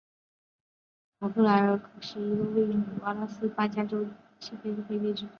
塔布莱纳可是一个位于美国阿拉巴马州科菲县的非建制地区。